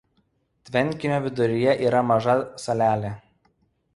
Tvenkinio viduryje yra maža salelė.